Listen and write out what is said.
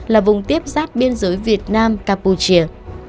là vùng tiếp giáp biên giới việt nam capuchia